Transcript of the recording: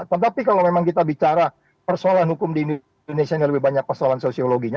tetapi kalau memang kita bicara persoalan hukum di indonesia ini lebih banyak persoalan sosiologinya